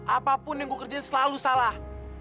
apapun yang gue kerjain selalu salah